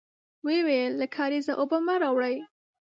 ويې ويل: له کارېزه اوبه مه راوړی!